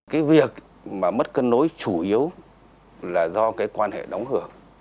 cái việc mà mất cân đối chủ yếu là do cái quan hệ đóng hưởng